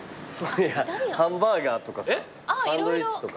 いやハンバーガーとかさサンドイッチとか。